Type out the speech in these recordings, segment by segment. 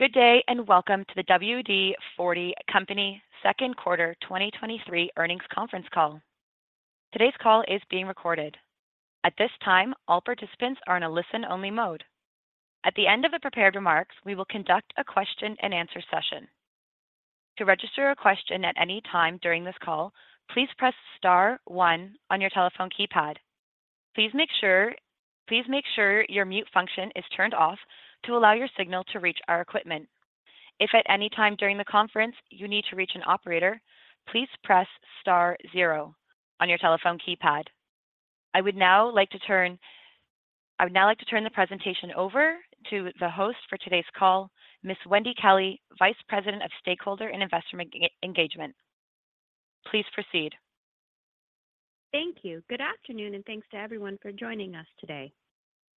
Good day and welcome to the WD-40 Company Second Quarter 2023 Earnings Conference Call. Today's call is being recorded. At this time, all participants are in a listen-only mode. At the end of the prepared remarks, we will conduct a question-and-answer session. To register a question at any time during this call, please press star one on your telephone keypad. Please make sure your mute function is turned off to allow your signal to reach our equipment. If at any time during the conference you need to reach an operator, please press star zero on your telephone keypad. I would now like to turn the presentation over to the host for today's call, Ms. Wendy Kelley, Vice President of Stakeholder and Investor Engagement. Please proceed. Thank you. Good afternoon, and thanks to everyone for joining us today.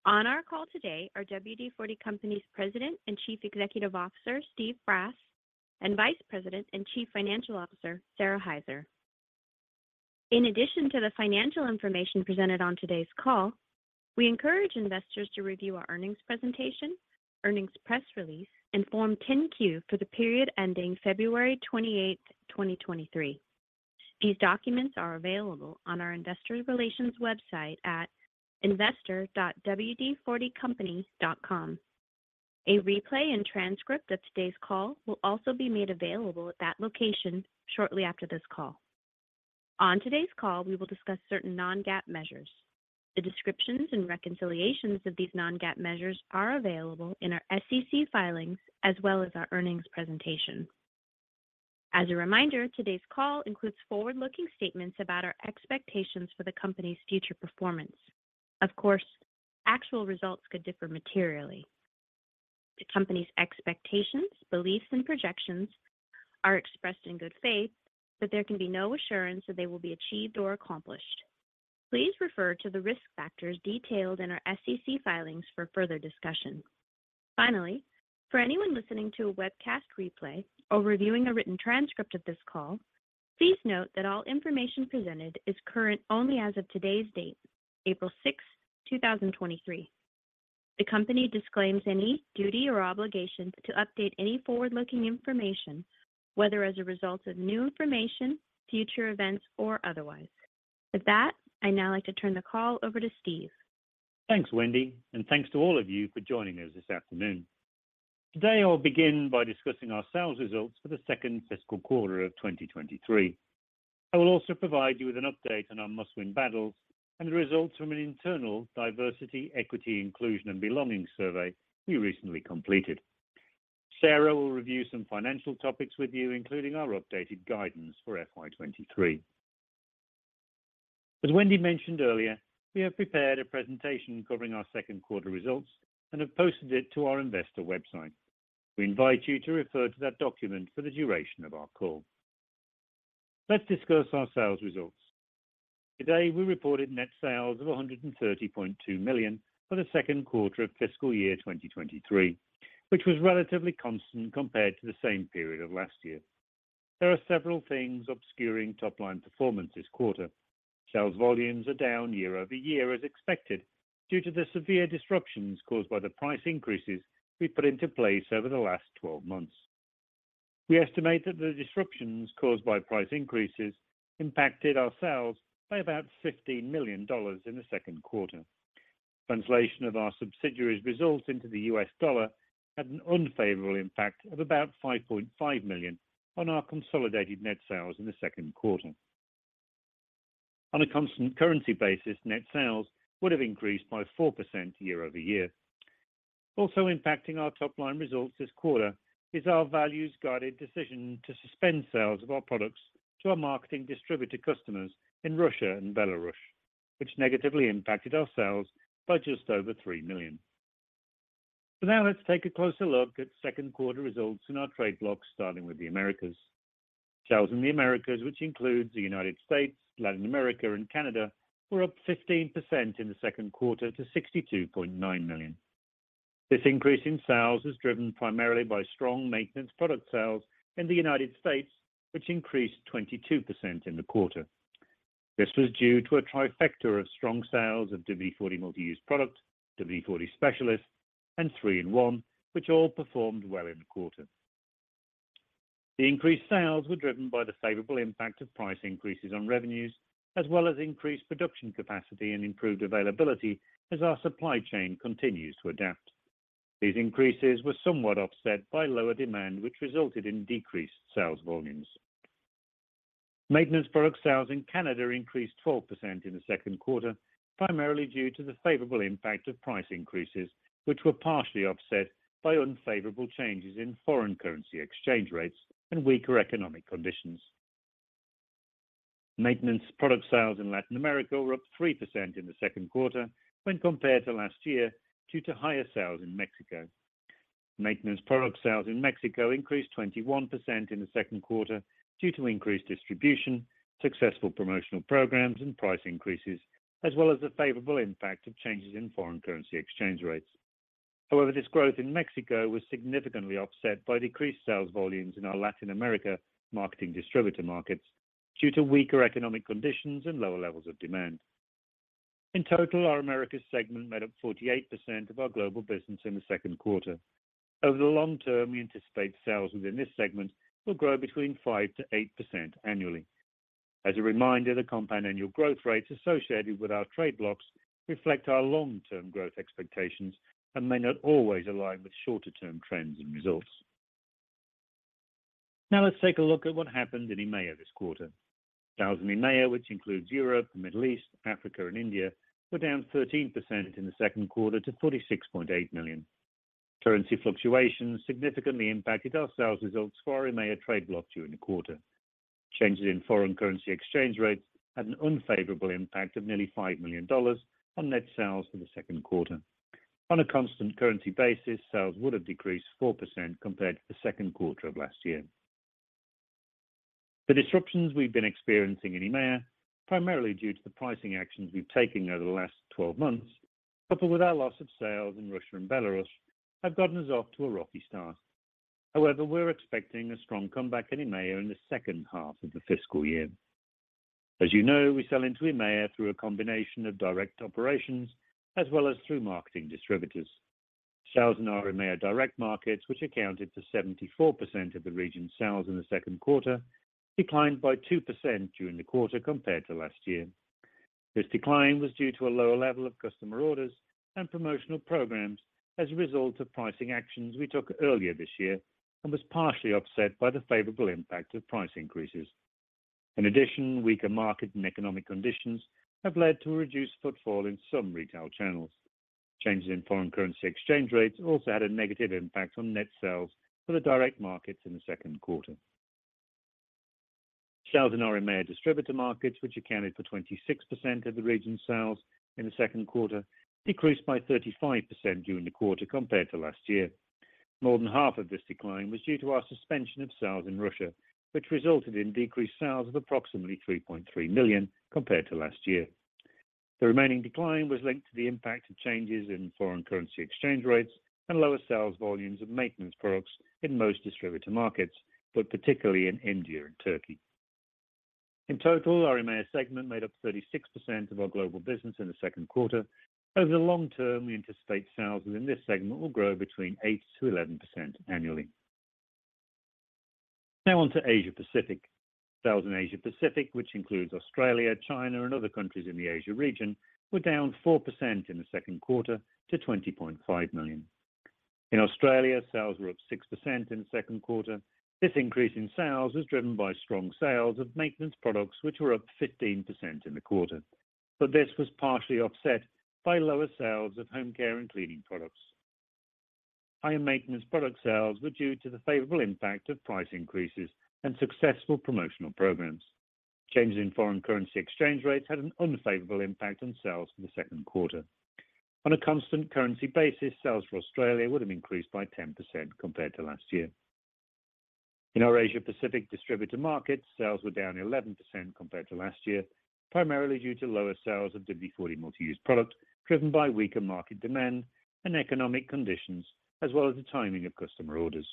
On our call today are WD-40 Company's President and Chief Executive Officer, Steve Brass, and Vice President and Chief Financial Officer, Sara Hyzer. In addition to the financial information presented on today's call, we encourage investors to review our earnings presentation, earnings press release, and Form 10-Q for the period ending February 28th, 2023. These documents are available on our investor relations website at investor.wd40company.com. A replay and transcript of today's call will also be made available at that location shortly after this call. On today's call, we will discuss certain non-GAAP measures. The descriptions and reconciliations of these non-GAAP measures are available in our SEC filings as well as our earnings presentation. As a reminder, today's call includes forward-looking statements about our expectations for the company's future performance. Of course, actual results could differ materially. The company's expectations, beliefs, and projections are expressed in good faith, but there can be no assurance that they will be achieved or accomplished. Please refer to the risk factors detailed in our SEC filings for further discussion. Finally, for anyone listening to a webcast replay or reviewing a written transcript of this call, please note that all information presented is current only as of today's date, April 6th, 2023. The company disclaims any duty or obligation to update any forward-looking information, whether as a result of new information, future events, or otherwise. With that, I'd now like to turn the call over to Steve. Thanks, Wendy. Thanks to all of you for joining us this afternoon. Today, I'll begin by discussing our sales results for the second fiscal quarter of 2023. I will also provide you with an update on our Must Win Battles and the results from an internal diversity, equity, inclusion, and belonging survey we recently completed. Sara will review some financial topics with you, including our updated guidance for FY 2023. As Wendy mentioned earlier, we have prepared a presentation covering our second quarter results and have posted it to our investor website. We invite you to refer to that document for the duration of our call. Let's discuss our sales results. Today, we reported net sales of $130.2 million for the second quarter of fiscal year 2023, which was relatively constant compared to the same period of last year. There are several things obscuring top-line performance this quarter. Sales volumes are down year-over-year as expected due to the severe disruptions caused by the price increases, we put into place over the last 12 months. We estimate that the disruptions caused by price increases impacted our sales by about $15 million in the second quarter. Translation of our subsidiaries results into the U.S. dollar had an unfavorable impact of about $5.5 million on our consolidated net sales in the second quarter. On a constant currency basis, net sales would have increased by 4% year-over-year. Impacting our top-line results this quarter is our values-guided decision to suspend sales of our products to our marketing distributor customers in Russia and Belarus, which negatively impacted our sales by just over $3 million. Now let's take a closer look at second quarter results in our trade blocks, starting with the Americas. Sales in the Americas, which includes the United States, Latin America, and Canada, were up 15% in the second quarter to $62.9 million. This increase in sales is driven primarily by strong maintenance product sales in the United States, which increased 22% in the quarter. This was due to a trifecta of strong sales of WD-40 Multi-Use Product, WD-40 Specialist, and 3-IN-ONE, which all performed well in the quarter. The increased sales were driven by the favorable impact of price increases on revenues, as well as increased production capacity and improved availability as our supply chain continues to adapt. These increases were somewhat offset by lower demand, which resulted in decreased sales volumes. Maintenance product sales in Canada increased 12% in the second quarter, primarily due to the favorable impact of price increases, which were partially offset by unfavorable changes in foreign currency exchange rates and weaker economic conditions. Maintenance product sales in Latin America were up 3% in the second quarter when compared to last year due to higher sales in Mexico. Maintenance product sales in Mexico increased 21% in the second quarter due to increased distribution, successful promotional programs, and price increases, as well as the favorable impact of changes in foreign currency exchange rates. However, this growth in Mexico was significantly offset by decreased sales volumes in our Latin America marketing distributor markets due to weaker economic conditions and lower levels of demand. In total, our Americas segment made up 48% of our global business in the second quarter. Over the long term, we anticipate sales within this segment will grow between 5%-8% annually. As a reminder, the compound annual growth rates associated with our trade blocks reflect our long-term growth expectations and may not always align with shorter-term trends and results. Let's take a look at what happened in EMEA this quarter. Sales in EMEA, which includes Europe, Middle East, Africa and India, were down 13% in the second quarter to $46.8 million. Currency fluctuations significantly impacted our sales results for our EMEA trade block during the quarter. Changes in foreign currency exchange rates had an unfavorable impact of nearly $5 million on net sales for the second quarter. On a constant currency basis, sales would have decreased 4% compared to the second quarter of last year. The disruptions we've been experiencing in EMEA, primarily due to the pricing actions we've taken over the last 12 months, coupled with our loss of sales in Russia and Belarus, have gotten us off to a rocky start. However, we're expecting a strong comeback in EMEA in the second half of the fiscal year. As you know, we sell into EMEA through a combination of direct operations as well as through marketing distributors. Sales in our EMEA direct markets, which accounted for 74% of the region's sales in the second quarter, declined by 2% during the quarter compared to last year. This decline was due to a lower level of customer orders and promotional programs as a result of pricing actions we took earlier this year, and was partially offset by the favorable impact of price increases. In addition, weaker market and economic conditions have led to a reduced footfall in some retail channels. Changes in foreign currency exchange rates also had a negative impact on net sales for the direct markets in the second quarter. Sales in our EMEA distributor markets, which accounted for 26% of the region's sales in the second quarter, decreased by 35% during the quarter compared to last year. More than half of this decline was due to our suspension of sales in Russia, which resulted in decreased sales of approximately $3.3 million compared to last year. The remaining decline was linked to the impact of changes in foreign currency exchange rates and lower sales volumes of maintenance products in most distributor markets, but particularly in India and Turkey. In total, our EMEA segment made up 36% of our global business in the second quarter. Over the long term, we anticipate sales within this segment will grow between 8%-11% annually. On to Asia-Pacific. Sales in Asia-Pacific, which includes Australia, China and other countries in the Asia region, were down 4% in the second quarter to $20.5 million. In Australia, sales were up 6% in the second quarter. This increase in sales was driven by strong sales of maintenance products, which were up 15% in the quarter. This was partially offset by lower sales of home care and cleaning products. Higher maintenance product sales were due to the favorable impact of price increases and successful promotional programs. Changes in foreign currency exchange rates had an unfavorable impact on sales in the second quarter. On a constant currency basis, sales for Australia would have increased by 10% compared to last year. In our Asia-Pacific distributor market, sales were down 11% compared to last year, primarily due to lower sales of WD-40 Multi-Use Product, driven by weaker market demand and economic conditions, as well as the timing of customer orders.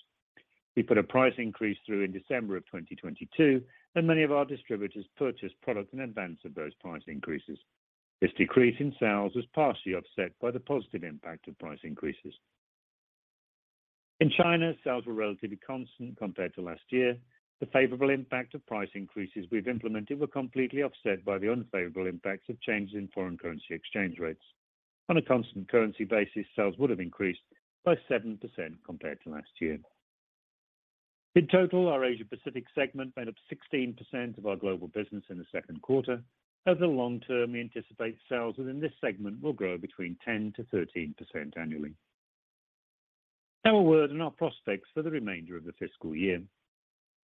We put a price increase through in December of 2022, and many of our distributors purchased product in advance of those price increases. This decrease in sales was partially offset by the positive impact of price increases. In China, sales were relatively constant compared to last year. The favorable impact of price increases we've implemented were completely offset by the unfavorable impacts of changes in foreign currency exchange rates. On a constant currency basis, sales would have increased by 7% compared to last year. In total, our Asia-Pacific segment made up 16% of our global business in the second quarter. Over the long term, we anticipate sales within this segment will grow between 10%-13% annually. A word on our prospects for the remainder of the fiscal year.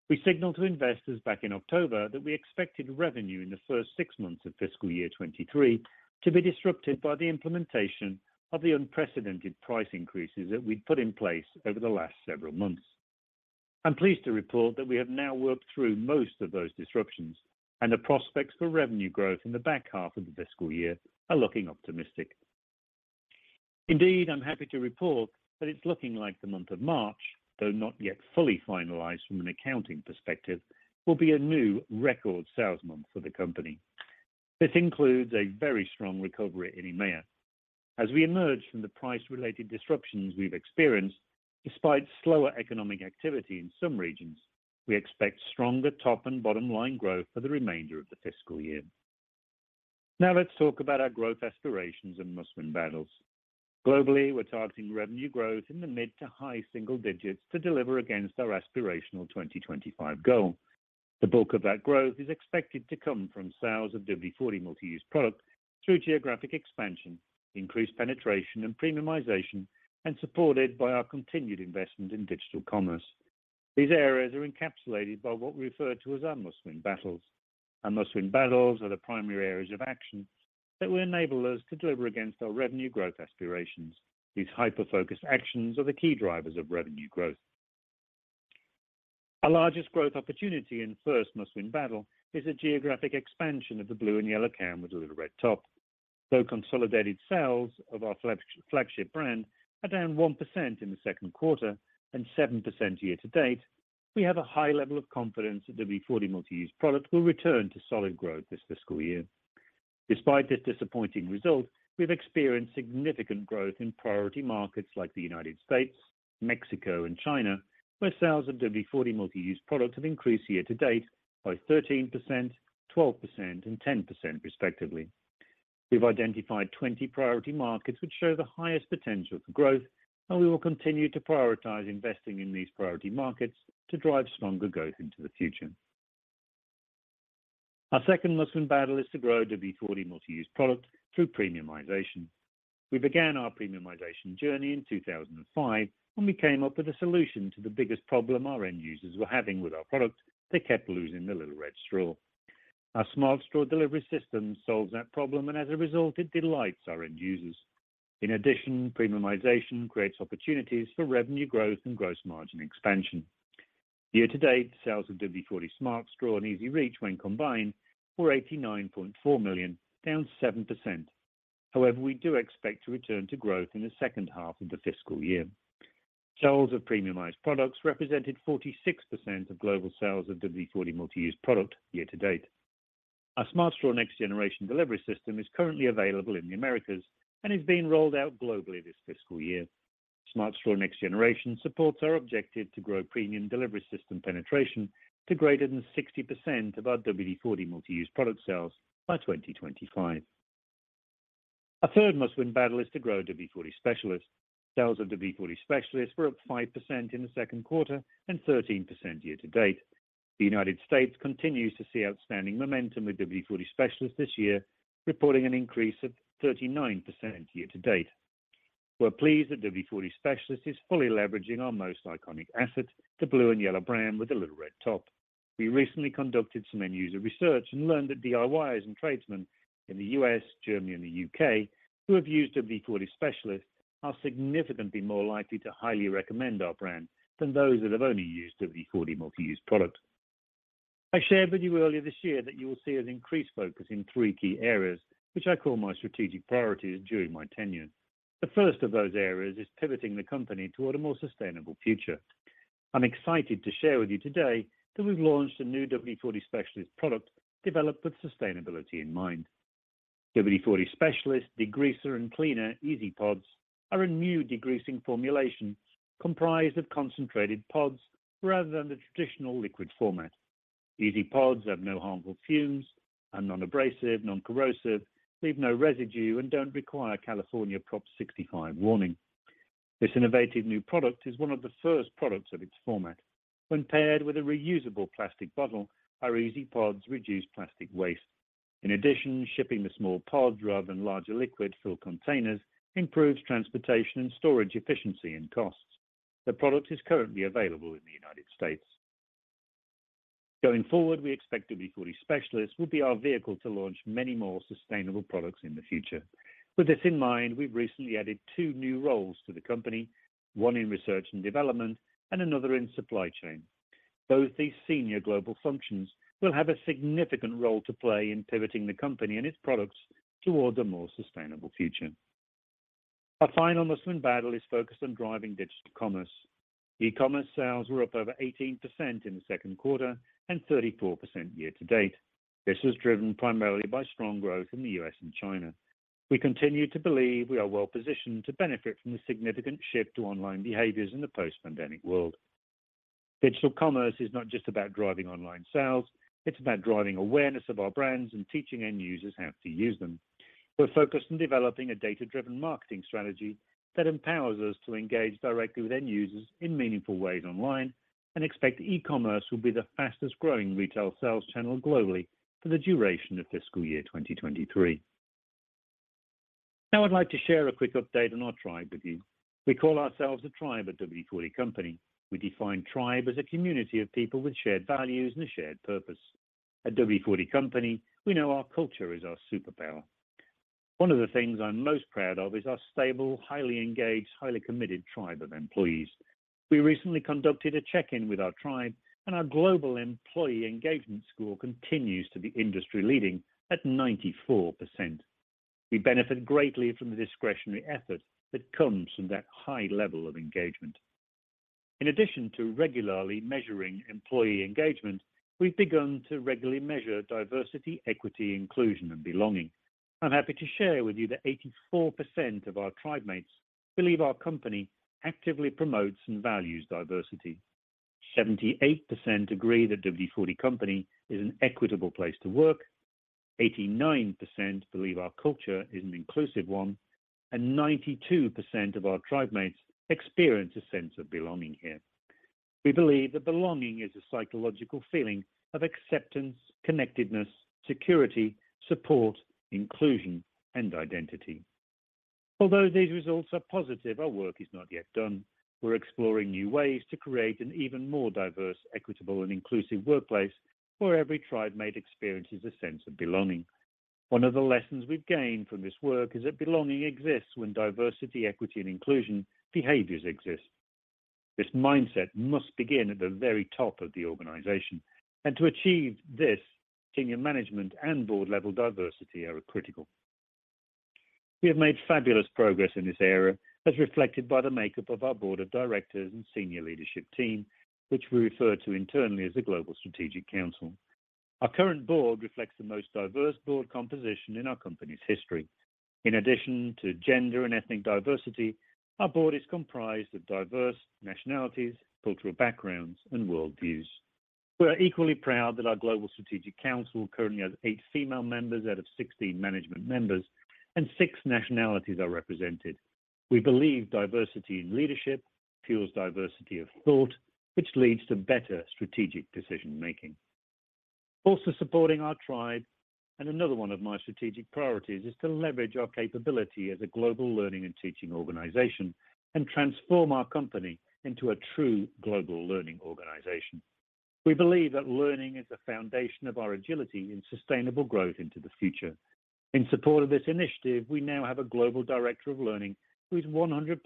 We signaled to investors back in October that we expected revenue in the first six months of fiscal year 2023 to be disrupted by the implementation of the unprecedented price increases that we'd put in place over the last several months. I'm pleased to report that we have now worked through most of those disruptions and the prospects for revenue growth in the back half of the fiscal year are looking optimistic. I'm happy to report that it's looking like the month of March, though not yet fully finalized from an accounting perspective, will be a new record sales month for the company. This includes a very strong recovery in EMEA. As we emerge from the price-related disruptions we've experienced, despite slower economic activity in some regions, we expect stronger top and bottom line growth for the remainder of the fiscal year. Now let's talk about our growth aspirations and Must Win Battles. Globally, we're targeting revenue growth in the mid to high single digits to deliver against our aspirational 2025 goal. The bulk of that growth is expected to come from sales of WD-40 Multi-Use Product through geographic expansion, increased penetration and premiumization, and supported by our continued investment in digital commerce. These areas are encapsulated by what we refer to as our Must Win Battles. Our Must Win Battles are the primary areas of action that will enable us to deliver against our revenue growth aspirations. These hyper-focused actions are the key drivers of revenue growth. Our largest growth opportunity and first Must Win Battle is the geographic expansion of the blue and yellow can with the little red top. Though consolidated sales of our flagship brand are down 1% in the second quarter and 7% year to date. We have a high level of confidence that WD-40 Multi-Use Product will return to solid growth this fiscal year. Despite this disappointing result, we've experienced significant growth in priority markets like the United States, Mexico and China, where sales of WD-40 Multi-Use Product have increased year to date by 13%, 12% and 10% respectively. We've identified 20 priority markets which show the highest potential for growth, and we will continue to prioritize investing in these priority markets to drive stronger growth into the future. Our second Must Win Battle is to grow WD-40 Multi-Use Product through premiumization. We began our premiumization journey in 2005 when we came up with a solution to the biggest problem our end users were having with our product, they kept losing the little red straw. Our Smart Straw delivery system solves that problem, and as a result, it delights our end users. In addition, premiumization creates opportunities for revenue growth and gross margin expansion. Year to date, sales of WD-40 Smart Straw and EZ-Reach when combined were $89.4 million, down 7%. However, we do expect to return to growth in the second half of the fiscal year. Sales of premiumized products represented 46% of global sales of WD-40 Multi-Use Product year to date. Our Smart Straw next generation delivery system is currently available in the Americas and is being rolled out globally this fiscal year. Smart Straw next generation supports our objective to grow premium delivery system penetration to greater than 60% of our WD-40 Multi-Use Product sales by 2025. Our third Must Win Battle is to grow WD-40 Specialist. Sales of WD-40 Specialist were up 5% in the second quarter and 13% year-to-date. The U.S. continues to see outstanding momentum with WD-40 Specialist this year, reporting an increase of 39% year-to-date. We're pleased that WD-40 Specialist is fully leveraging our most iconic asset, the blue and yellow brand with the little red top. We recently conducted some end user research and learned that DIYers and tradesmen in the U.S., Germany and the U.K. who have used WD-40 Specialist are significantly more likely to highly recommend our brand than those that have only used WD-40 Multi-Use Product. I shared with you earlier this year that you will see us increase focus in three key areas, which I call my strategic priorities during my tenure. The first of those areas is pivoting the company toward a more sustainable future. I'm excited to share with you today that we've launched a new WD-40 Specialist product developed with sustainability in mind. WD-40 Specialist Degreaser and Cleaner EZ-PODS are a new degreasing formulation comprised of concentrated pods rather than the traditional liquid format. EZ-PODS have no harmful fumes and non-abrasive, non-corrosive, leave no residue and don't require California Prop 65 warning. This innovative new product is one of the first products of its format. When paired with a reusable plastic bottle, our EZ-PODS reduce plastic waste. In addition, shipping the small pods rather than larger liquid-filled containers improves transportation and storage efficiency and costs. The product is currently available in the U.S. Going forward, we expect WD-40 Specialist will be our vehicle to launch many more sustainable products in the future. With this in mind, we've recently added two new roles to the company, one in research and development and another in supply chain. Both these senior global functions will have a significant role to play in pivoting the company and its products towards a more sustainable future. Our final Must Win Battle is focused on driving digital commerce. E-commerce sales were up over 18% in the second quarter and 34% year to date. This was driven primarily by strong growth in the U.S. and China. We continue to believe we are well positioned to benefit from the significant shift to online behaviors in the post-pandemic world. Digital commerce is not just about driving online sales, it's about driving awareness of our brands and teaching end users how to use them. We're focused on developing a data-driven marketing strategy that empowers us to engage directly with end users in meaningful ways online and expect e-commerce will be the fastest growing retail sales channel globally for the duration of fiscal year 2023. I'd like to share a quick update on our tribe with you. We call ourselves a tribe at WD-40 Company. We define tribe as a community of people with shared values and a shared purpose. At WD-40 Company, we know our culture is our superpower. One of the things I'm most proud of is our stable, highly engaged, highly committed tribe of employees. We recently conducted a check-in with our tribe, and our global employee engagement score continues to be industry leading at 94%. We benefit greatly from the discretionary effort that comes from that high level of engagement. In addition to regularly measuring employee engagement, we've begun to regularly measure diversity, equity, inclusion and belonging. I'm happy to share with you that 84% of our tribemates believe our company actively promotes and values diversity. 78% agree that WD-40 Company is an equitable place to work. 89% believe our culture is an inclusive one, and 92% of our tribemates experience a sense of belonging here. We believe that belonging is a psychological feeling of acceptance, connectedness, security, support, inclusion and identity. Although these results are positive, our work is not yet done. We're exploring new ways to create an even more diverse, equitable, and inclusive workplace where every tribemate experiences a sense of belonging. One of the lessons we've gained from this work is that belonging exists when diversity, equity, and inclusion behaviors exist. This mindset must begin at the very top of the organization. To achieve this, senior management and board level diversity are critical. We have made fabulous progress in this area as reflected by the makeup of our board of directors and senior leadership team, which we refer to internally as the Global Strategic Council. Our current board reflects the most diverse board composition in our company's history. In addition to gender and ethnic diversity, our board is comprised of diverse nationalities, cultural backgrounds and worldviews. We are equally proud that our Global Strategic Council currently has eight female members out of 16 management members and six nationalities are represented. We believe diversity in leadership fuels diversity of thought, which leads to better strategic decision-making. Supporting our tribe and another one of my strategic priorities is to leverage our capability as a global learning and teaching organization and transform our company into a true global learning organization. We believe that learning is the foundation of our agility and sustainable growth into the future. In support of this initiative, we now have a global director of learning who is 100%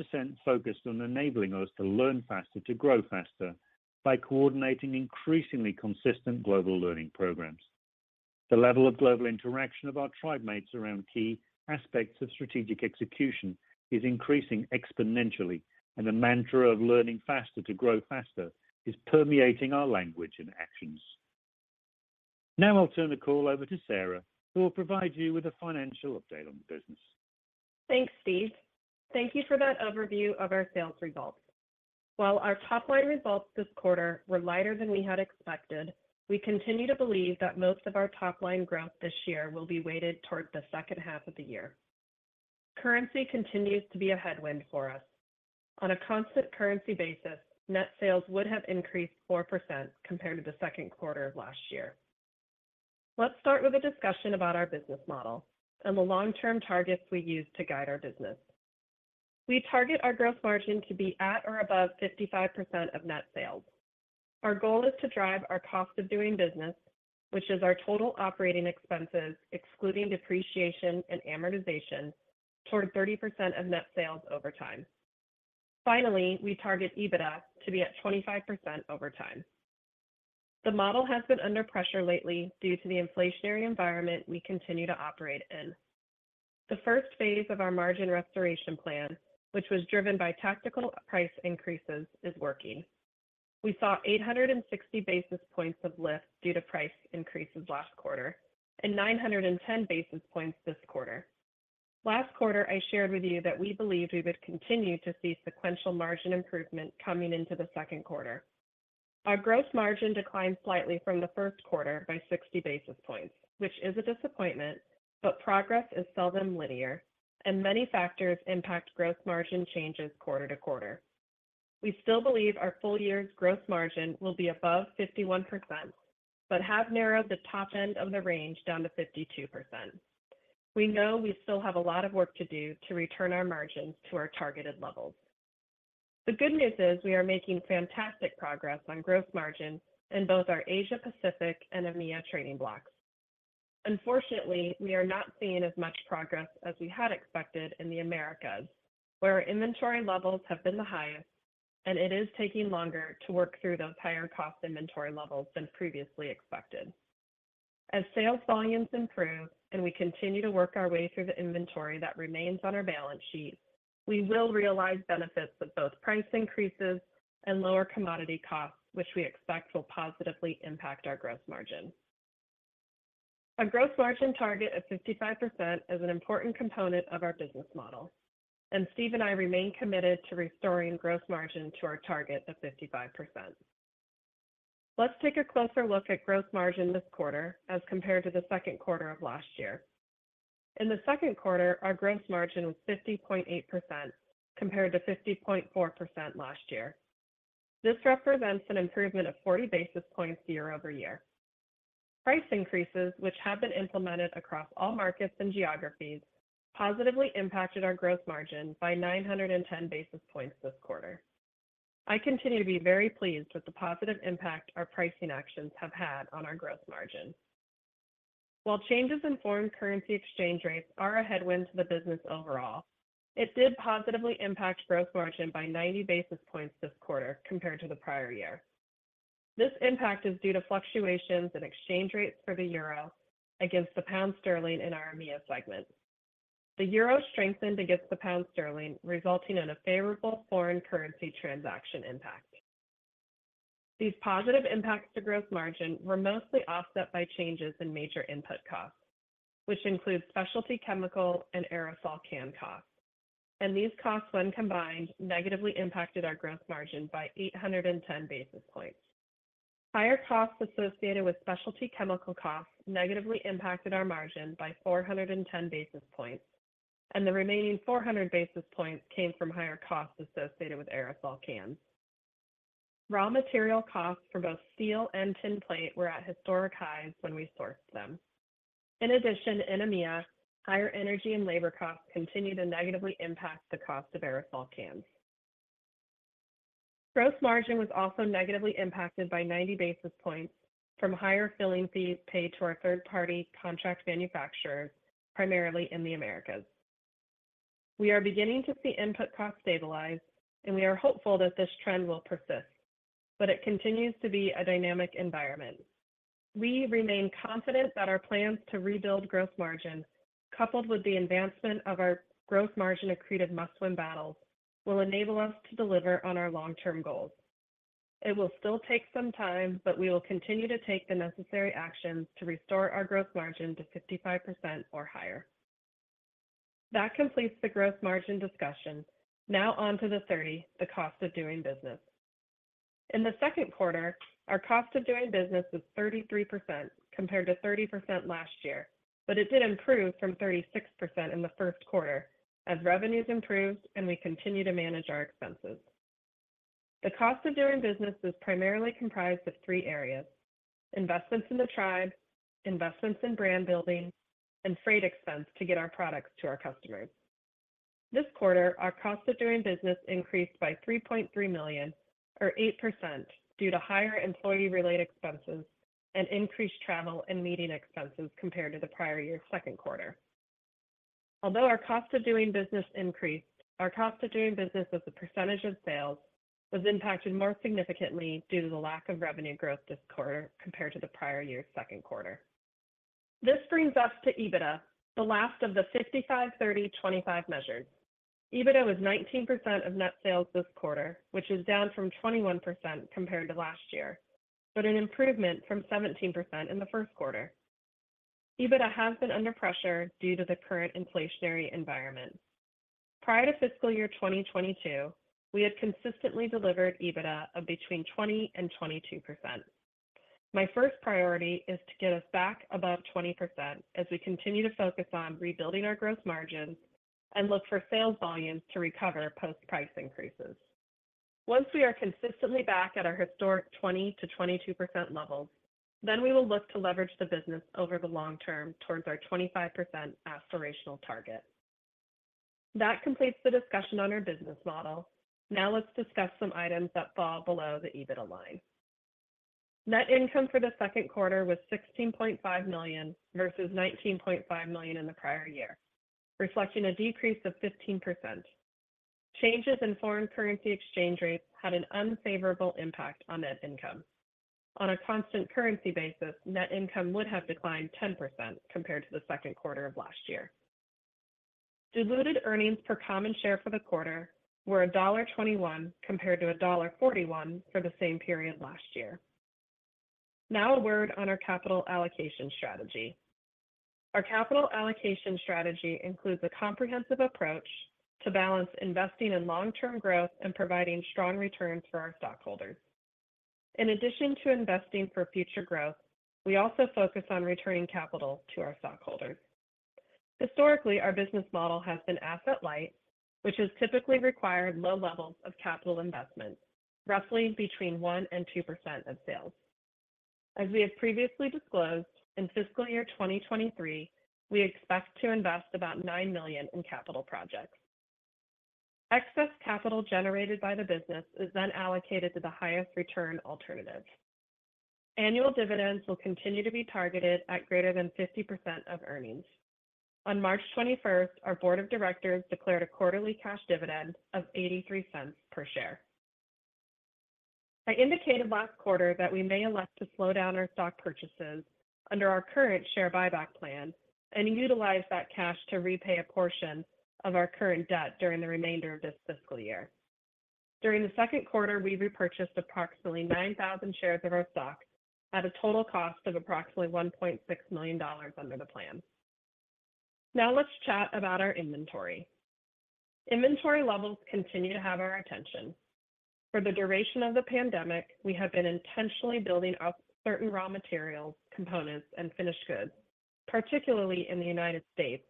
focused on enabling us to learn faster, to grow faster by coordinating increasingly consistent global learning programs. The level of global interaction of our tribe mates around key aspects of strategic execution is increasing exponentially. The mantra of learning faster to grow faster is permeating our language and actions. Now I'll turn the call over to Sara, who will provide you with a financial update on the business. Thanks, Steve. Thank you for that overview of our sales results. While our top-line results this quarter were lighter than we had expected, we continue to believe that most of our top-line growth this year will be weighted toward the second half of the year. Currency continues to be a headwind for us. On a constant currency basis, net sales would have increased 4% compared to the second quarter of last year. Let's start with a discussion about our business model and the long-term targets we use to guide our business. We target our gross margin to be at or above 55% of net sales. Our goal is to drive our cost of doing business, which is our total operating expenses, excluding depreciation and amortization, toward 30% of net sales over time. Finally, we target EBITDA to be at 25% over time. The model has been under pressure lately due to the inflationary environment we continue to operate in. The first phase of our gross margin restoration plan, which was driven by tactical price increases, is working. We saw 860 basis points of lift due to price increases last quarter and 910 basis points this quarter. Last quarter, I shared with you that we believed we would continue to see sequential gross margin improvement coming into the second quarter. Our gross margin declined slightly from the first quarter by 60 basis points, which is a disappointment. Progress is seldom linear and many factors impact gross margin changes quarter to quarter. We still believe our full year's gross margin will be above 51%, but have narrowed the top end of the range down to 52%. We know we still have a lot of work to do to return our margins to our targeted levels. The good news is we are making fantastic progress on gross margin in both our Asia Pacific and EMEA trading blocks. Unfortunately, we are not seeing as much progress as we had expected in the Americas, where our inventory levels have been the highest, and it is taking longer to work through those higher cost inventory levels than previously expected. As sales volumes improve and we continue to work our way through the inventory that remains on our balance sheet, we will realize benefits of both price increases and lower commodity costs, which we expect will positively impact our gross margin. A gross margin target of 55% is an important component of our business model, and Steve and I remain committed to restoring gross margin to our target of 55%. Let's take a closer look at gross margin this quarter as compared to the second quarter of last year. In the second quarter, our gross margin was 50.8% compared to 50.4% last year. This represents an improvement of 40 basis points year-over-year. Price increases, which have been implemented across all markets and geographies, positively impacted our gross margin by 910 basis points this quarter. I continue to be very pleased with the positive impact our pricing actions have had on our gross margin. While changes in foreign currency exchange rates are a headwind to the business overall, it did positively impact gross margin by 90 basis points this quarter compared to the prior year. This impact is due to fluctuations in exchange rates for the euro against the pound sterling in our EMEA segment. The euro strengthened against the pound sterling, resulting in a favorable foreign currency transaction impact. These positive impacts to gross margin were mostly offset by changes in major input costs, which include specialty chemical and aerosol can costs. These costs, when combined, negatively impacted our gross margin by 810 basis points. Higher costs associated with specialty chemical costs negatively impacted our margin by 410 basis points, and the remaining 400 basis points came from higher costs associated with aerosol cans. Raw material costs for both steel and tinplate were at historic highs when we sourced them. In addition, in EMEA, higher energy and labor costs continue to negatively impact the cost of aerosol cans. Gross margin was also negatively impacted by 90 basis points from higher filling fees paid to our third-party contract manufacturers, primarily in the Americas. We are beginning to see input costs stabilize. We are hopeful that this trend will persist. It continues to be a dynamic environment. We remain confident that our plans to rebuild gross margin, coupled with the advancement of our gross margin accretive Must Win Battles, will enable us to deliver on our long-term goals. It will still take some time. We will continue to take the necessary actions to restore our gross margin to 55% or higher. That completes the gross margin discussion. Now on to the 30%, the cost of doing business. In the second quarter, our cost of doing business was 33% compared to 30% last year. It did improve from 36% in the first quarter as revenues improved and we continue to manage our expenses. The cost of doing business is primarily comprised of three areas: investments in the tribe, investments in brand building, and freight expense to get our products to our customers. This quarter, our cost of doing business increased by $3.3 million or 8% due to higher employee-related expenses and increased travel and meeting expenses compared to the prior year second quarter. Although our cost of doing business increased, our cost of doing business as a percentage of sales was impacted more significantly due to the lack of revenue growth this quarter compared to the prior year second quarter. This brings us to EBITDA, the last of the 55%, 30%, 25% measures. EBITDA was 19% of net sales this quarter, which is down from 21% compared to last year, but an improvement from 17% in the first quarter. EBITDA has been under pressure due to the current inflationary environment. Prior to fiscal year 2022, we had consistently delivered EBITDA of between 20% and 22%. My first priority is to get us back above 20% as we continue to focus on rebuilding our gross margins and look for sales volumes to recover post-price increases. Once we are consistently back at our historic 20%-22% levels, then we will look to leverage the business over the long term towards our 25% aspirational target. That completes the discussion on our business model. Now let's discuss some items that fall below the EBITDA line. Net income for the second quarter was $16.5 million versus $19.5 million in the prior year, reflecting a decrease of 15%. Changes in foreign currency exchange rates had an unfavorable impact on net income. On a constant currency basis, net income would have declined 10% compared to the second quarter of last year. Diluted earnings per common share for the quarter were $1.21 compared to $1.41 for the same period last year. A word on our capital allocation strategy. Our capital allocation strategy includes a comprehensive approach to balance investing in long-term growth and providing strong returns for our stockholders. In addition to investing for future growth, we also focus on returning capital to our stockholders. Historically, our business model has been asset light, which has typically required low levels of capital investment, roughly between 1%-2% of sales. As we have previously disclosed, in fiscal year 2023, we expect to invest about $9 million in capital projects. Excess capital generated by the business is allocated to the highest return alternative. Annual dividends will continue to be targeted at greater than 50% of earnings. On March 21st, our board of directors declared a quarterly cash dividend of $0.83 per share. I indicated last quarter that we may elect to slow down our stock purchases under our current share buyback plan and utilize that cash to repay a portion of our current debt during the remainder of this fiscal year. During the second quarter, we repurchased approximately 9,000 shares of our stock at a total cost of approximately $1.6 million under the plan. Let's chat about our inventory. Inventory levels continue to have our attention. For the duration of the pandemic, we have been intentionally building up certain raw materials, components, and finished goods, particularly in the United States,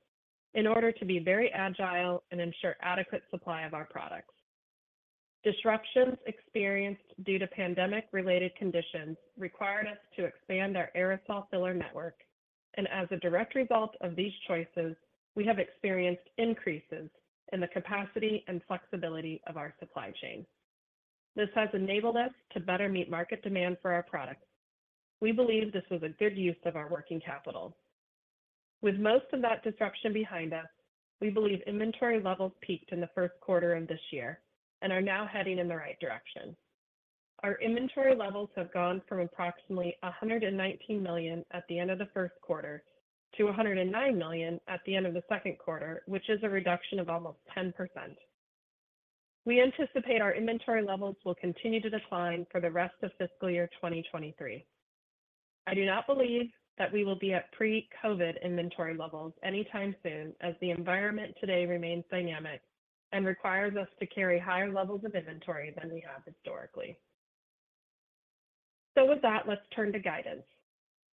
in order to be very agile and ensure adequate supply of our products. Disruptions experienced due to pandemic-related conditions required us to expand our aerosol filler network. As a direct result of these choices, we have experienced increases in the capacity and flexibility of our supply chain. This has enabled us to better meet market demand for our products. We believe this was a good use of our working capital. With most of that disruption behind us, we believe inventory levels peaked in the first quarter of this year and are now heading in the right direction. Our inventory levels have gone from approximately $119 million at the end of the first quarter to $109 million at the end of the second quarter, which is a reduction of almost 10%. We anticipate our inventory levels will continue to decline for the rest of fiscal year 2023. I do not believe that we will be at pre-COVID inventory levels anytime soon as the environment today remains dynamic and requires us to carry higher levels of inventory than we have historically. With that, let's turn to guidance.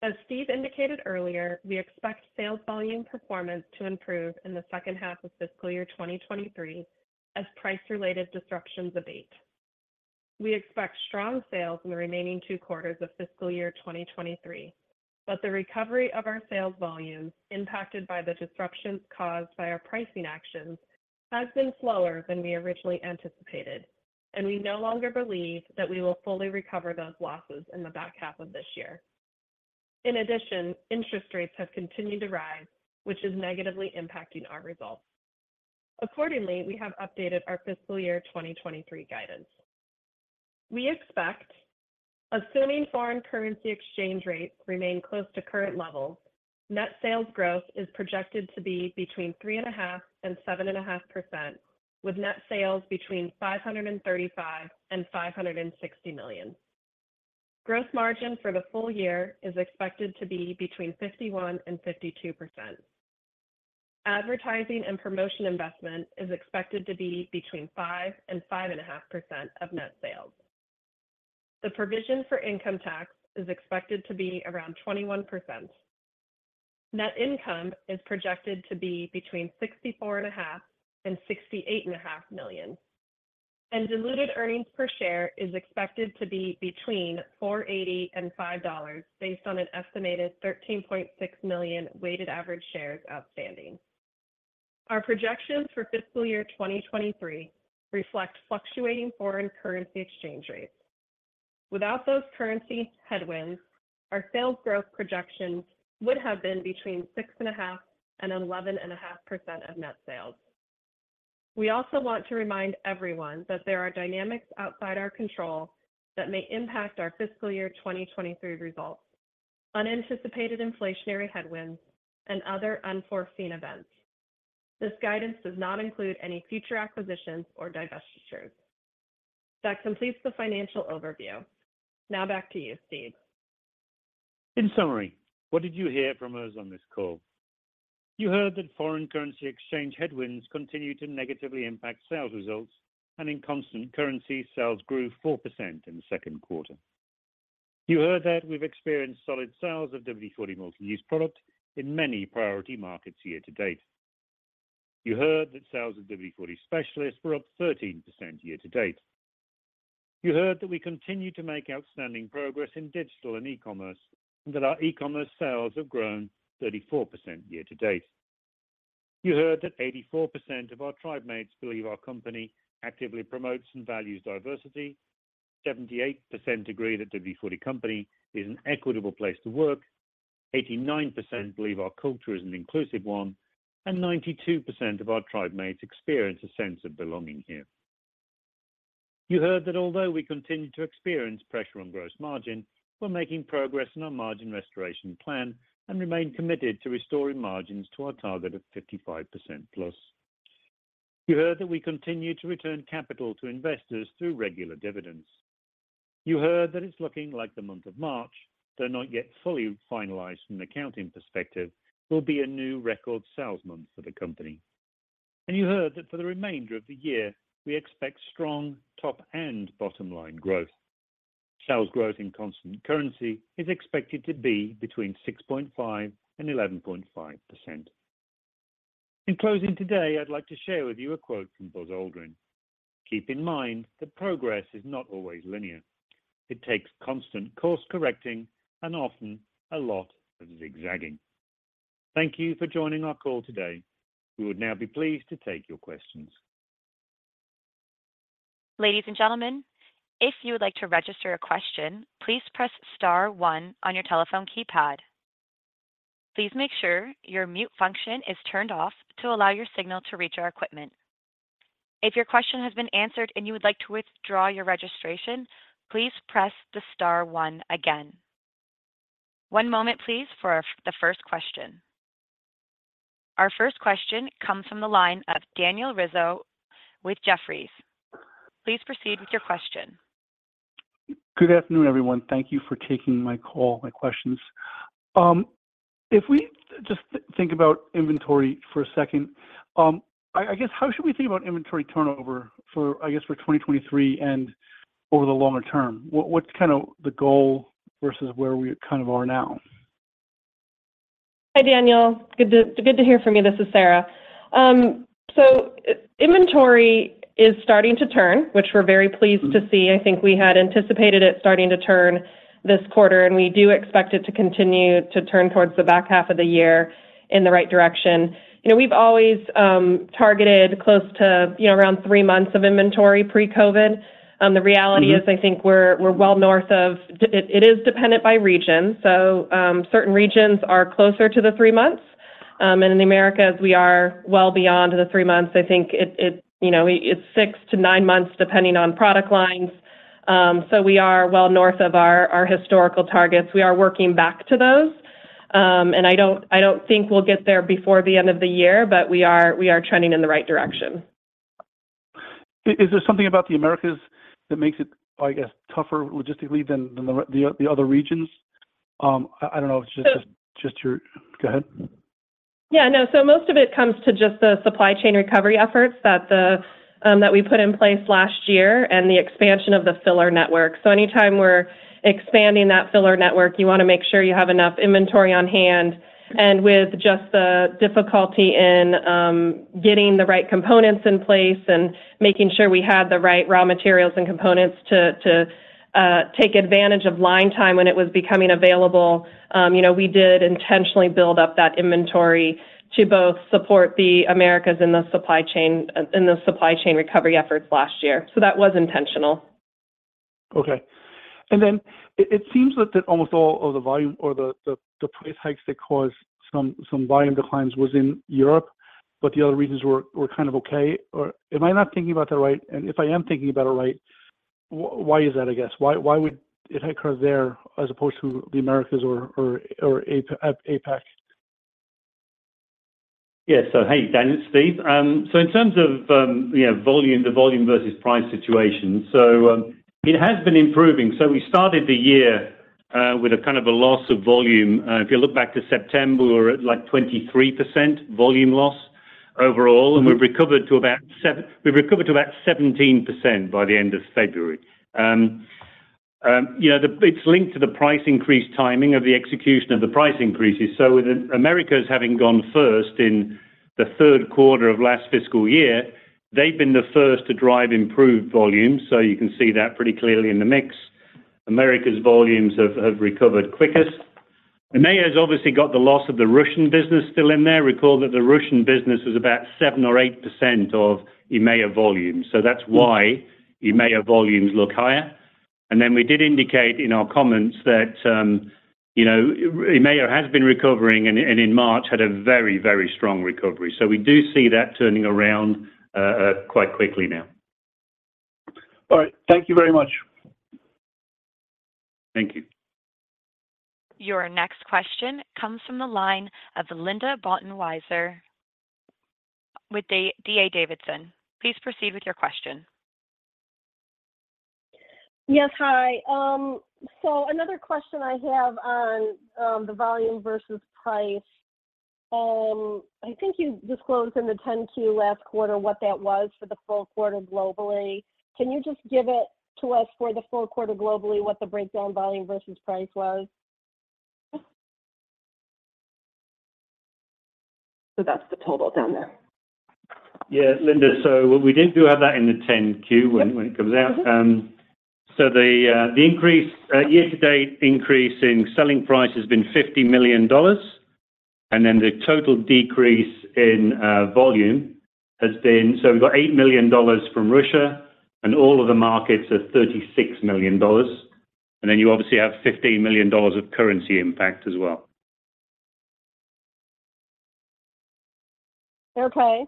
As Steve indicated earlier, we expect sales volume performance to improve in the second half of fiscal year 2023 as price-related disruptions abate. We expect strong sales in the remaining two quarters of fiscal year 2023, but the recovery of our sales volumes impacted by the disruptions caused by our pricing actions has been slower than we originally anticipated, and we no longer believe that we will fully recover those losses in the back half of this year. In addition, interest rates have continued to rise, which is negatively impacting our results. Accordingly, we have updated our fiscal year 2023 guidance. We expect, assuming foreign currency exchange rates remain close to current levels, net sales growth is projected to be between 3.5% and 7.5%, with net sales between $535 million and $560 million. gross margin for the full year is expected to be between 51% and 52%. Advertising and promotion investment is expected to be between 5% and 5.5% of net sales. The provision for income tax is expected to be around 21%. Net income is projected to be between $64.5 million and $68.5 million. Diluted earnings per share is expected to be between $4.80 and $5.00 based on an estimated 13.6 million weighted average shares outstanding. Our projections for fiscal year 2023 reflect fluctuating foreign currency exchange rates. Without those currency headwinds, our sales growth projections would have been between 6.5% and 11.5% of net sales. We also want to remind everyone that there are dynamics outside our control that may impact our fiscal year 2023 results, unanticipated inflationary headwinds, and other unforeseen events. This guidance does not include any future acquisitions or divestitures. That completes the financial overview. Now back to you, Steve. In summary, what did you hear from us on this call? You heard that foreign currency exchange headwinds continue to negatively impact sales results, and in constant currency, sales grew 4% in the second quarter. You heard that we've experienced solid sales of WD-40 Multi-Use Product in many priority markets year to date. You heard that sales of WD-40 Specialist were up 13% year to date. You heard that we continue to make outstanding progress in digital and e-commerce, and that our e-commerce sales have grown 34% year to date. You heard that 84% of our tribe mates believe our company actively promotes and values diversity. 78% agree that WD-40 Company is an equitable place to work. 89% believe our culture is an inclusive one, and 92% of our tribe mates experience a sense of belonging here. You heard that although we continue to experience pressure on gross margin, we're making progress in our margin restoration plan and remain committed to restoring margins to our target of 55% plus. You heard that we continue to return capital to investors through regular dividends. You heard that it's looking like the month of March, though not yet fully finalized from an accounting perspective, will be a new record sales month for the company. You heard that for the remainder of the year, we expect strong top and bottom-line growth. Sales growth in constant currency is expected to be between 6.5% and 11.5%. In closing today, I'd like to share with you a quote from Buzz Aldrin. "Keep in mind that progress is not always linear. It takes constant course correcting and often a lot of zigzagging. Thank you for joining our call today. We would now be pleased to take your questions. Ladies and gentlemen, if you would like to register a question, please press star 1 on your telephone keypad. Please make sure your mute function is turned off to allow your signal to reach our equipment. If your question has been answered and you would like to withdraw your registration, please press the star 1 again. One moment, please, for the first question. Our first question comes from the line of Daniel Rizzo with Jefferies. Please proceed with your question. Good afternoon, everyone. Thank you for taking my call, my questions. If we just think about inventory for a second, I guess, how should we think about inventory turnover for 2023 and over the longer term? What's kinda the goal versus where we kind of are now? Hi, Daniel. Good to hear from you. This is Sara. Inventory is starting to turn, which we're very pleased to see. I think we had anticipated it starting to turn this quarter. We do expect it to continue to turn towards the back half of the year in the right direction. You know, we've always targeted close to, you know, around three months of inventory pre-COVID. Mm-hmm is I think we're well north of. It is dependent by region. Certain regions are closer to the three months. In the Americas, we are well beyond the three months. I think it, you know, it's six-nine months depending on product lines. We are well north of our historical targets. We are working back to those. I don't think we'll get there before the end of the year, but we are trending in the right direction. Is there something about the Americas that makes it, I guess, tougher logistically than the other regions? I don't know if it's just your... Go ahead. Yeah, no. Most of it comes to just the supply chain recovery efforts that we put in place last year and the expansion of the filler network. Anytime we're expanding that filler network, you wanna make sure you have enough inventory on hand. With just the difficulty in getting the right components in place and making sure we had the right raw materials and components to take advantage of line time when it was becoming available, you know, we did intentionally build up that inventory to both support the Americas in the supply chain recovery efforts last year. That was intentional. Okay. It seems that almost all of the volume or the price hikes that caused some volume declines was in Europe, but the other regions were kind of okay. Am I not thinking about that right? If I am thinking about it right, why is that I guess? Why would it occur there as opposed to the Americas or APAC? Yeah. Hey, Dan, it's Steve. In terms of, you know, volume, the volume versus price situation, so, it has been improving. We started the year with a kind of a loss of volume. If you look back to September, we were at, like, 23% volume loss overall. Mm-hmm. We've recovered to about 17% by the end of February. You know, it's linked to the price increase timing of the execution of the price increases. With Americas having gone first in the third quarter of last fiscal year, they've been the first to drive improved volumes. You can see that pretty clearly in the mix. Americas' volumes have recovered quickest. EMEA has obviously got the loss of the Russian business still in there. Recall that the Russian business was about 7% or 8% of EMEA volume. That's why EMEA volumes look higher. We did indicate in our comments that, you know, EMEA has been recovering and in March had a very, very strong recovery. We do see that turning around quite quickly now. All right. Thank you very much. Thank you. Your next question comes from the line of Linda Bolton-Weiser with D.A. Davidson. Please proceed with your question. Yes. Hi. Another question I have on, the volume versus price. I think you disclosed in the 10-Q last quarter what that was for the full quarter globally. Can you just give it to us for the full quarter globally, what the breakdown volume versus price was? That's the total down there. Linda, we do have that in the 10-Q. Yep. When it comes out. Mm-hmm. The year-to-date increase in selling price has been $50 million. The total decrease in volume has been... We've got $8 million from Russia and all other markets are $36 million. You obviously have $15 million of currency impact as well. Okay.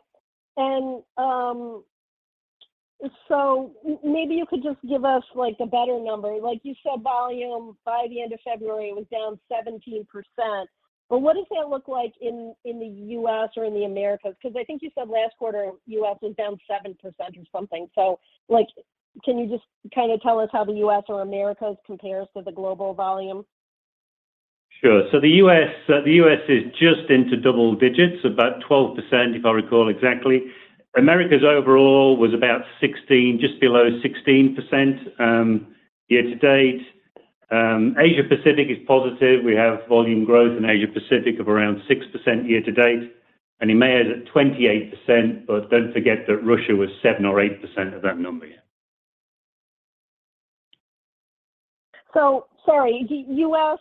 Maybe you could just give us, like, a better number. Like you said, volume by the end of February was down 17%. What does that look like in the U.S. or in the Americas? I think you said last quarter, U.S. was down 7% or something. Like, can you just kinda tell us how the U.S. or Americas compares to the global volume? Sure. The U.S., the U.S. is just into double digits, about 12% if I recall exactly. Americas overall was about 16%, just below 16%, year to date. Asia-Pacific is positive. We have volume growth in Asia-Pacific of around 6% year to date. EMEA is at 28%, but don't forget that Russia was 7% or 8% of that number. Sorry. The U.S.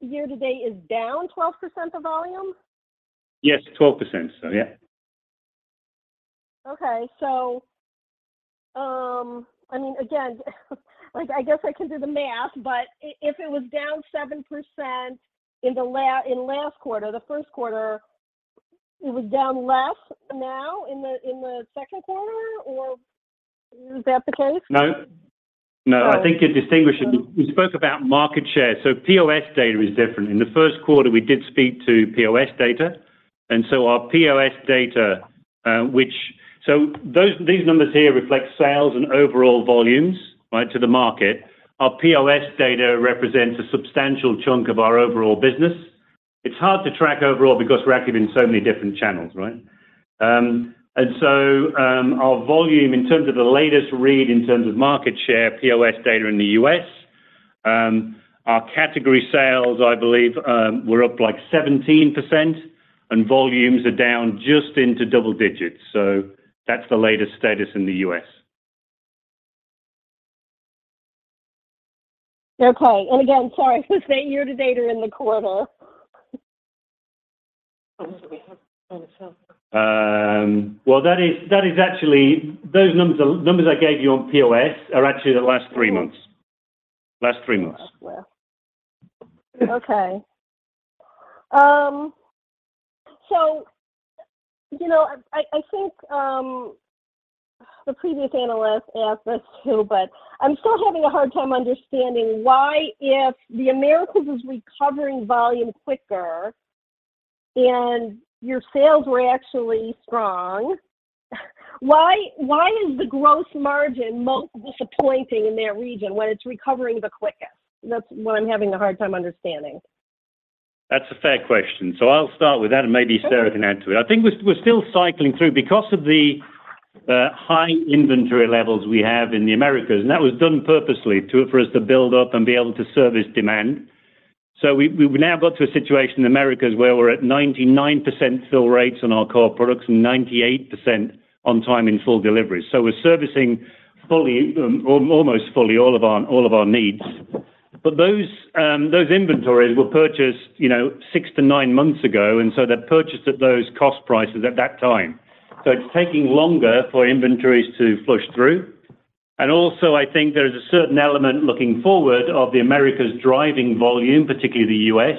year to date is down 12% of volume? Yes, 12%. Yeah. Okay. I mean, again, like, I guess I can do the math, but if it was down 7% in last quarter, the first quarter, it was down less now in the, in the second quarter, or is that the case? No. No. Oh. I think you're distinguishing... We spoke about market share, POS data is different. In the first quarter, we did speak to POS data, our POS data, which these numbers here reflect sales and overall volumes, right, to the market. Our POS data represents a substantial chunk of our overall business. It's hard to track overall because we're active in so many different channels, right? Our volume in terms of the latest read in terms of market share, POS data in the U.S., our category sales, I believe, were up, like, 17% and volumes are down just into double digits. That's the latest status in the U.S. Okay. Again, sorry, just the year to date or in the quarter? How long do we have? Oh, it's done. Well, that is actually. Those numbers I gave you on POS are actually the last three months. Mm-hmm. Last three months. That's where. you know, I think, the previous analyst asked this too, but I'm still having a hard time understanding why if the Americas is recovering volume quicker and your sales were actually strong, why is the gross margin most disappointing in that region when it's recovering the quickest? That's what I'm having a hard time understanding. That's a fair question. I'll start with that, and maybe Sara can add to it. I think we're still cycling through. Because of the high inventory levels we have in the Americas, and that was done purposely for us to build up and be able to service demand. We've now got to a situation in Americas where we're at 99% fill rates on our core products and 98% on time in full delivery. We're servicing fully, or almost fully all of our needs. Those inventories were purchased, you know, six-nine months ago, they're purchased at those cost prices at that time. It's taking longer for inventories to flush through. Also, I think there's a certain element looking forward of the America's driving volume, particularly the U.S.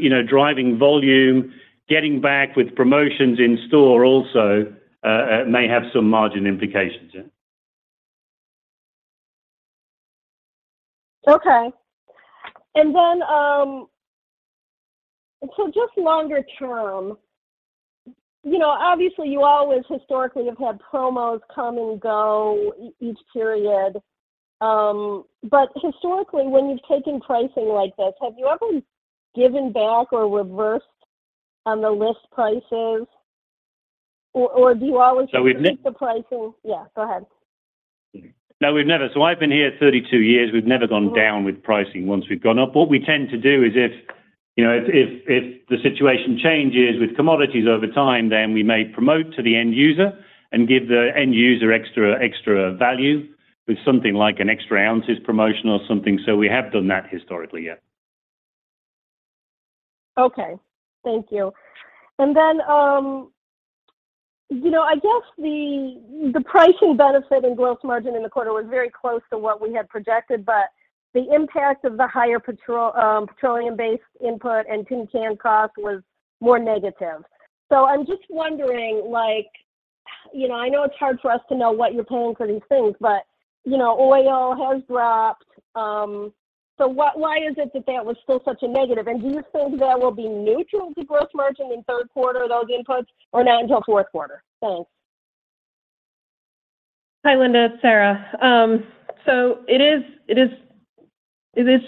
you know, driving volume, getting back with promotions in store also, may have some margin implications, yeah. Okay. So just longer term, you know, obviously you always historically have had promos come and go each period. Historically when you've taken pricing like this, have you ever given back or reversed on the list prices or do you always... So, we've ne- just keep the pricing? Yeah, go ahead. No, we've never. I've been here 32 years. We've never gone down with pricing once we've gone up. What we tend to do is if, you know, the situation changes with commodities over time, then we may promote to the end user and give the end user extra value with something like an extra ounces promotion or something. We have done that historically, yeah. Okay. Thank you. You know, I guess the pricing benefit and gross margin in the quarter was very close to what we had projected, but the impact of the higher petroleum-based input and tin can cost was more negative. I'm just wondering, like, you know, I know it's hard for us to know what you're paying for these things, but, you know, oil has dropped, why is it that that was still such a negative? Do you think that will be neutral to gross margin in third quarter, those inputs, or not until fourth quarter? Thanks. Hi, Linda. It's Sara. It is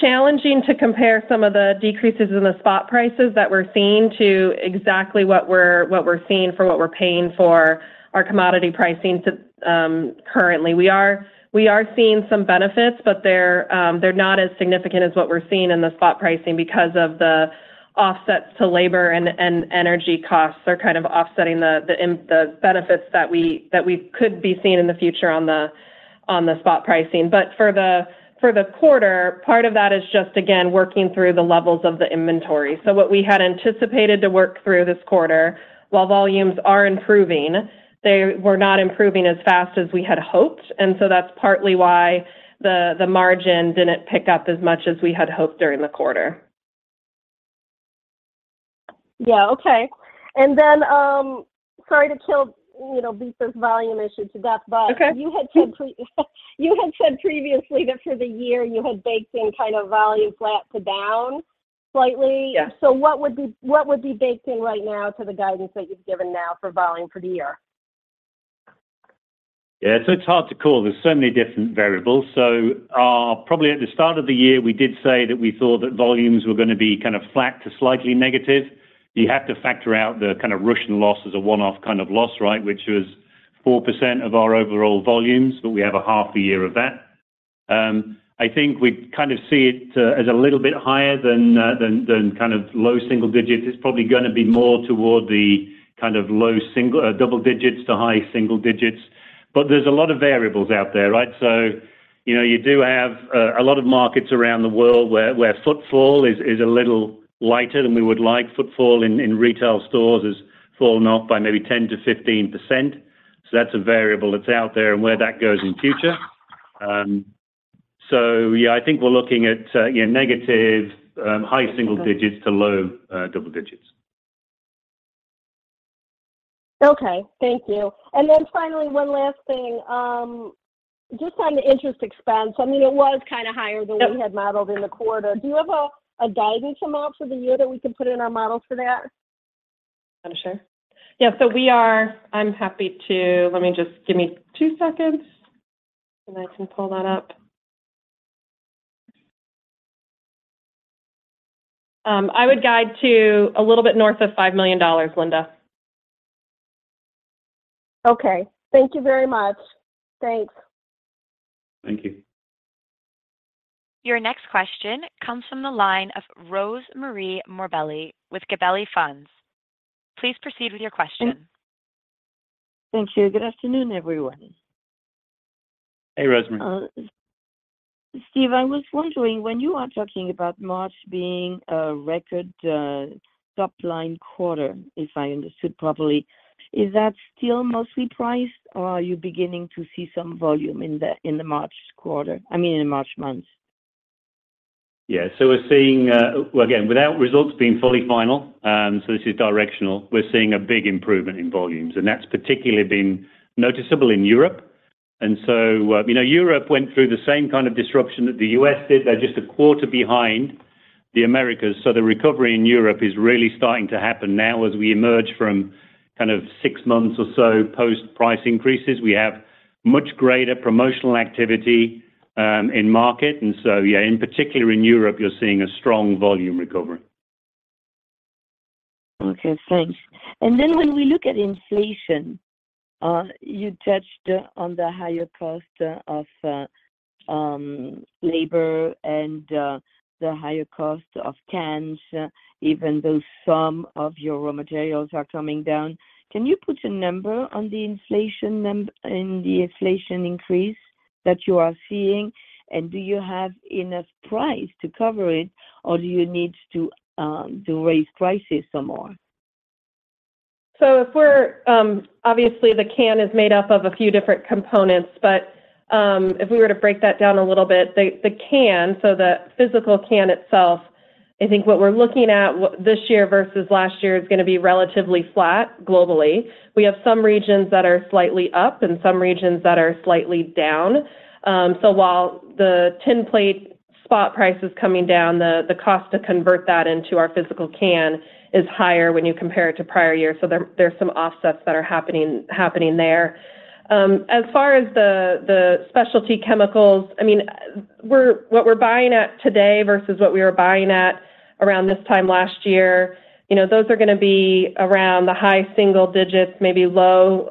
challenging to compare some of the decreases in the spot prices that we're seeing to exactly what we're seeing for what we're paying for our commodity pricing to currently. We are seeing some benefits, but they're not as significant as what we're seeing in the spot pricing because of the offsets to labor and energy costs are kind of offsetting the benefits that we could be seeing in the future on the spot pricing. For the quarter, part of that is just again working through the levels of the inventory. What we had anticipated to work through this quarter, while volumes are improving, they were not improving as fast as we had hoped, and so that's partly why the margin didn't pick up as much as we had hoped during the quarter. Yeah. Okay. Sorry to kill, you know, beat this volume issue to death. Okay. You had said previously that for the year you had baked in kind of volume flat to down slightly. Yeah. What would be baked in right now to the guidance that you've given now for volume for the year? It's hard to call. There's so many different variables. Probably at the start of the year, we did say that we thought that volumes were gonna be kind of flat to slightly negative. You have to factor out the kind of Russian loss as a one-off kind of loss, right, which was 4% of our overall volumes, but we have a half a year of that. I think we kind of see it as a little bit higher than kind of low single digits. It's probably gonna be more toward the kind of double digits to high single digits. There's a lot of variables out there, right? You know, you do have a lot of markets around the world where footfall is a little lighter than we would like. Footfall in retail stores has fallen off by maybe 10%-15%. That's a variable that's out there and where that goes in future. Yeah, I think we're looking at, you know, negative high single digits to low double digits. Okay. Thank you. Finally, one last thing, just on the interest expense. I mean, it was kind of higher than we had modeled in the quarter. Do you have a guidance amount for the year that we can put in our model for that? I'm sure. Yeah. Give me two seconds, and I can pull that up. I would guide to a little bit north of $5 million, Linda. Okay. Thank you very much. Thanks. Thank you. Your next question comes from the line of Rosemarie Morbelli with Gabelli Funds. Please proceed with your question. Thank you. Good afternoon, everyone. Hey, Rosemarie. Steve, I was wondering, when you are talking about March being a record, top-line quarter, if I understood properly, is that still mostly price, or are you beginning to see some volume in the March quarter... I mean, in March month? Yeah. We're seeing, well, again, without results being fully final, this is directional, we're seeing a big improvement in volumes, and that's particularly been noticeable in Europe. You know, Europe went through the same kind of disruption that the U.S. did. They're just a quarter behind the Americas. The recovery in Europe is really starting to happen now as we emerge from kind of six months or so post price increases. We have much greater promotional activity, in market. Yeah, in particular in Europe, you're seeing a strong volume recovery. Okay. Thanks. When we look at inflation, you touched on the higher cost of labor and the higher cost of cans, even though some of your raw materials are coming down. Can you put a number on the inflation in the inflation increase that you are seeing, and do you have enough price to cover it, or do you need to raise prices some more? If we're. Obviously, the can is made up of a few different components, but if we were to break that down a little bit, the can, so the physical can itself, I think what we're looking at this year versus last year is gonna be relatively flat globally. We have some regions that are slightly up and some regions that are slightly down. While the tin plate spot price is coming down, the cost to convert that into our physical can is higher when you compare it to prior years. There's some offsets that are happening there. As far as the specialty chemicals, I mean, what we're buying at today versus what we were buying at around this time last year, you know, those are going to be around the high single-digits, maybe low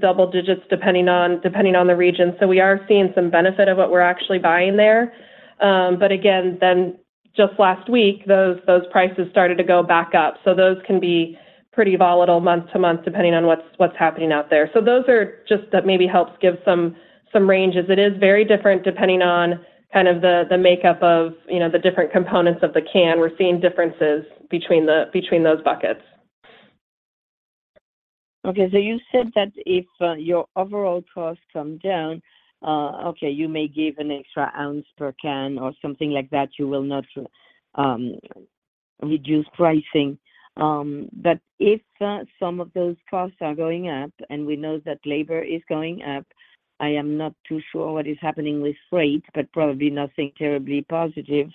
double-digits, depending on the region. We are seeing some benefit of what we're actually buying there. Again, just last week, those prices started to go back up. Those can be pretty volatile month-to-month, depending on what's happening out there. That maybe helps give some ranges. It is very different depending on kind of the makeup of, you know, the different components of the can. We're seeing differences between those buckets. You said that if your overall costs come down, you may give an extra ounce per can or something like that. You will not reduce pricing. If some of those costs are going up, and we know that labor is going up, I am not too sure what is happening with freight, but probably nothing terribly positive,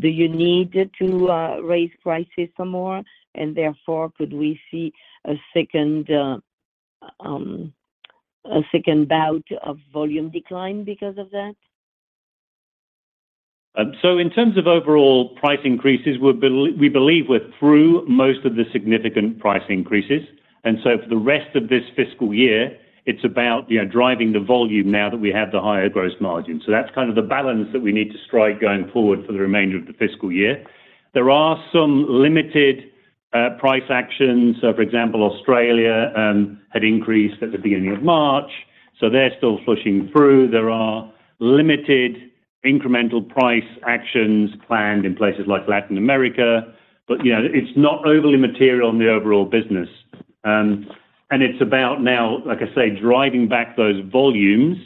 do you need to raise prices some more, and therefore could we see a second bout of volume decline because of that? In terms of overall price increases, we believe we're through most of the significant price increases. For the rest of this fiscal year, it's about, you know, driving the volume now that we have the higher gross margin. That's kind of the balance that we need to strike going forward for the remainder of the fiscal year. There are some limited price actions. For example, Australia had increased at the beginning of March, so they're still flushing through. There are limited incremental price actions planned in places like Latin America. You know, it's not overly material in the overall business. And it's about now, like I say, driving back those volumes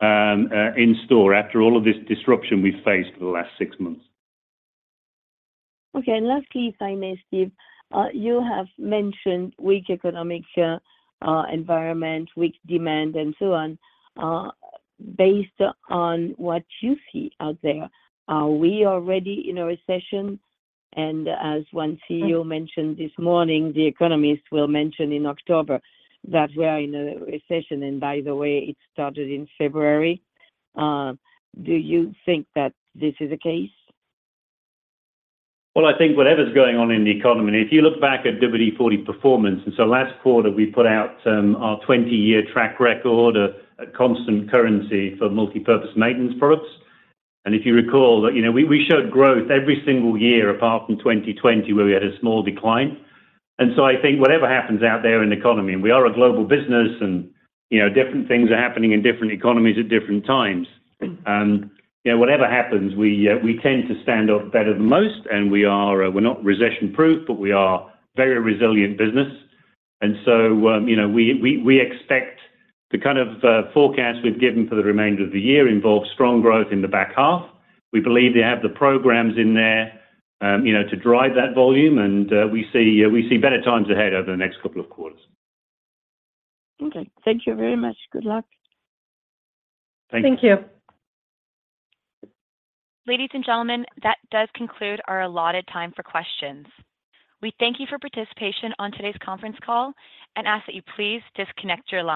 in store after all of this disruption we've faced for the last six months. Okay. Lastly, if I may, Steve, you have mentioned weak economic environment, weak demand and so on. Based on what you see out there, are we already in a recession? As one CEO mentioned this morning, the economists will mention in October that we are in a recession, and by the way, it started in February. Do you think that this is the case? Well, I think whatever's going on in the economy, if you look back at WD-40 performance, last quarter, we put out, our 20-year track record of constant currency for multipurpose maintenance products. If you recall that, you know, we showed growth every single year apart from 2020, where we had a small decline. I think whatever happens out there in the economy, and we are a global business, and, you know, different things are happening in different economies at different times. You know, whatever happens, we tend to stand up better than most, and we are, we're not recession-proof, but we are very resilient business. So, you know, we expect the kind of forecast we've given for the remainder of the year involves strong growth in the back half. We believe they have the programs in there, you know, to drive that volume, and we see better times ahead over the next couple of quarters. Okay. Thank you very much. Good luck. Thank you. Thank you. Ladies and gentlemen, that does conclude our allotted time for questions. We thank you for participation on today's conference call and ask that you please disconnect your line.